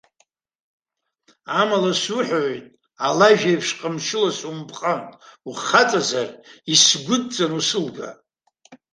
Амала, суҳәоит, алажә еиԥш ҟамчыла сумыпҟан, ухаҵазар, исгәыдҵаны усылга!